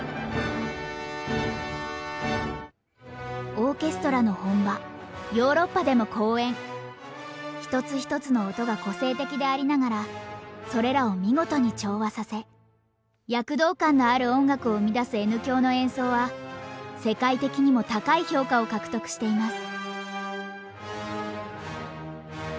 オーケストラの本場１つ１つの音が個性的でありながらそれらを見事に調和させ躍動感のある音楽を生み出すＮ響の演奏は世界的にも高い評価を獲得しています。